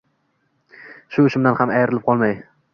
Shu ishimdan ham ayrilib qolmay.